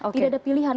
tidak ada pilihan